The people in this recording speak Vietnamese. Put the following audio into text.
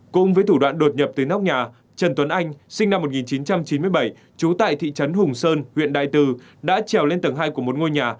cũng với thủ đoạn đột nhập từ nóc nhà trần tuấn anh sinh năm một nghìn chín trăm chín mươi bảy trú tại thị trấn hùng sơn huyện đại từ đã trèo lên tầng hai của một ngôi nhà